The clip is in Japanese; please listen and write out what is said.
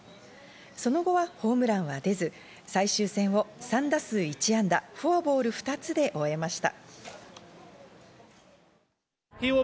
その後はホームランは出ず、最終戦を３打数１安打、フォアボール２つで終えました。